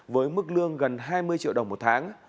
với mức lương gần hai mươi triệu đồng một tháng